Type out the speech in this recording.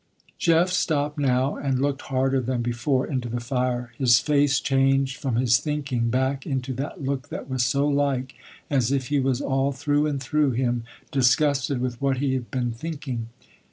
Jeff stopped now and looked harder than before into the fire. His face changed from his thinking back into that look that was so like as if he was all through and through him, disgusted with what he had been thinking.